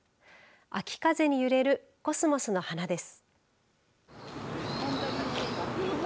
秋風に揺れるコスモスの花です。